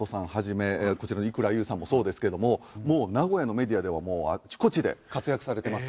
こちらの伊倉ゆうさんもそうですけどももう名古屋のメディアではあちこちで活躍されてます。